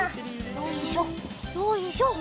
よいしょよいしょ。